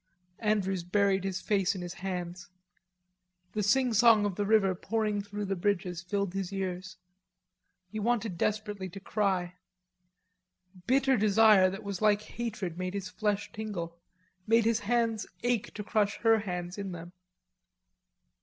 Andrews buried his face in his hands. The singsong of the river pouring through the bridges, filled his ears. He wanted desperately to cry. Bitter desire that was like hatred made his flesh tingle, made his hands ache to crush her hands in them.